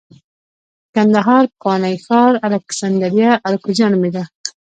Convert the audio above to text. د کندهار پخوانی ښار الکسندریه اراکوزیا نومېده